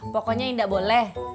pokoknya indah boleh